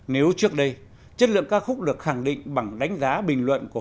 nếu trước đây chất lượng ca khúc được khẳng định bằng đánh giá bình luận của